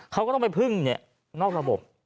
เขาก็ต้องไปพึ่งนอกระบบ